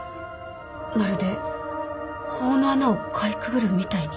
まるで法の穴をかいくぐるみたいに。